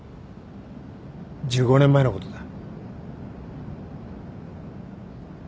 １５年前のことだ。